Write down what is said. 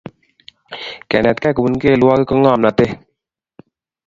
Kenetkei kopun ngelelwogik ko ngomnotet